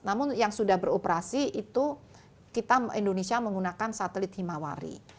namun yang sudah beroperasi itu kita indonesia menggunakan satelit himawari